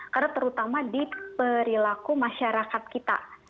karena terutama di perilaku masyarakat kita